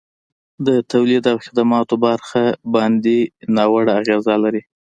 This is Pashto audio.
د تولید او خدماتو برخه باندي ناوړه اغیزه لري.